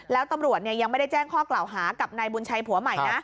แล้วตำรวจยังไม่ได้แจ้งข้อกล่าวหากับนายบุญชัยผัวใหม่นะ